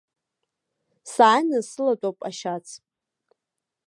Сааины сылатәоуп ашьац.